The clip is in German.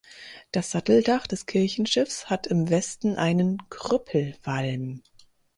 Das Satteldach des Kirchenschiffs hat im Westen einen Krüppelwalm.